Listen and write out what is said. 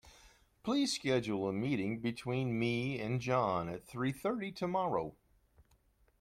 Please schedule a meeting between me and John at three thirty tomorrow.